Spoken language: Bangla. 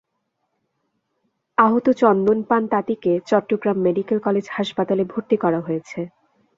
আহত চন্দন পান তাঁতিকে চট্টগ্রাম মেডিকেল কলেজ হাসপাতালে ভর্তি করা হয়েছে।